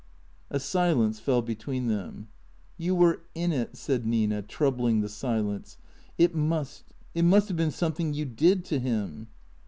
A silence fell between them. " You were in it," said Nina, troubling the silence. " It must — it must have been something you did to him."